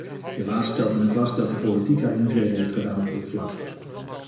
Helaas stelt men vast dat de politiek haar intrede heeft gedaan op dit vlak.